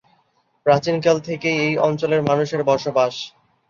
প্রাচীনকাল থেকেই এই অঞ্চলের মানুষের বসবাস।